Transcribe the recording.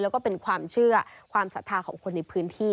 แล้วก็เป็นความเชื่อความศรัทธาของคนในพื้นที่